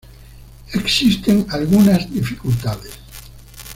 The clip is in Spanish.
Existen algunas dificultades.